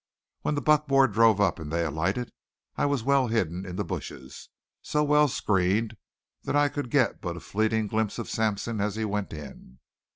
When the buckboard drove up and they alighted I was well hidden in the bushes, so well screened that I could get but a fleeting glimpse of Sampson as he went in.